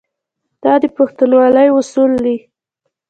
دا د پښتونولۍ اصول دي.